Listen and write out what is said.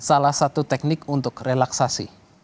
salah satu teknik untuk relaksasi